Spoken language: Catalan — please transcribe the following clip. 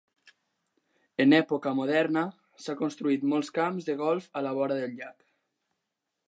En època moderna, s'han construït molts camps de golf a la vora del llac.